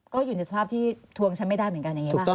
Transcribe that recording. ก็อยู่ในสภาพที่ทวงฉันไม่ได้เหมือนกันอย่างนี้ป่ะ